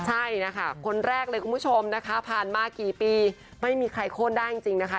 ใช่นะคะคนแรกเลยคุณผู้ชมนะคะผ่านมากี่ปีไม่มีใครโค้นได้จริงนะคะ